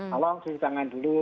tolong cuci tangan dulu